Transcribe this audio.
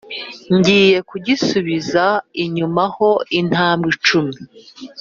ngiye kugisubiza inyuma ho intambwe cumi.»